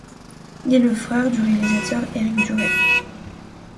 Il est le frère du réalisateur Éric Duret.